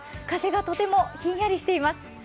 風がとてもひんやりしています。